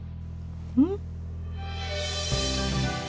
うん。